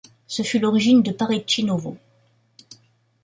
Ce fut l'origine de Pareci Novo.